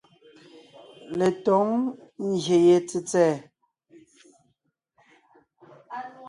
Letǒŋ ngyè ye tsètsɛ̀ɛ.